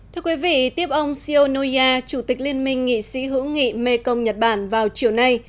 thưa quý vị tiếp ông shio noya chủ tịch liên minh nghị sĩ hữu nghị mekong nhật bản vào chiều nay